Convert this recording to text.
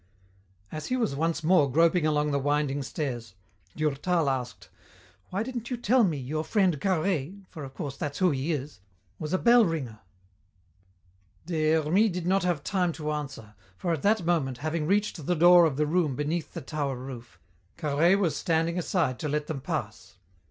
As he was once more groping along the winding stairs, Durtal asked, "Why didn't you tell me your friend Carhaix for of course that's who he is was a bell ringer?" Des Hermies did not have time to answer, for at that moment, having reached the door of the room beneath the tower roof, Carhaix was standing aside to let them pass.